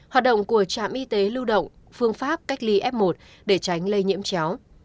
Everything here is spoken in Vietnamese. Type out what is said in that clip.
hoạt động của trạm y tế lưu động phương pháp cách ly f một để tránh lây nhiễm chéo